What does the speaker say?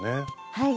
はい。